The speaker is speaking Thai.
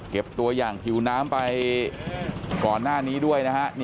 ตัวอย่างผิวน้ำไปก่อนหน้านี้ด้วยนะฮะ